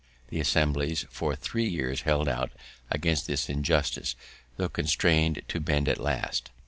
The Assemblies for three years held out against this injustice, tho' constrained to bend at last.